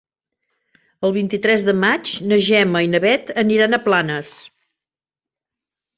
El vint-i-tres de maig na Gemma i na Bet aniran a Planes.